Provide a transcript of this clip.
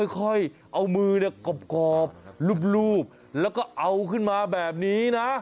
ค่อยเอามือกรอบรูปแล้วก็เอาขึ้นมาแบบนี้นะ